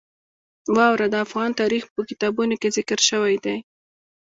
واوره د افغان تاریخ په کتابونو کې ذکر شوی دي.